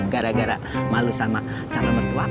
gara gara malu sama cara mertua